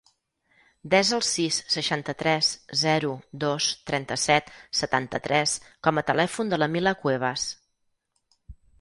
Desa el sis, seixanta-tres, zero, dos, trenta-set, setanta-tres com a telèfon de la Mila Cuevas.